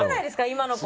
今の子。